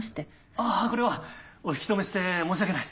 あぁこれはお引き止めして申し訳ない。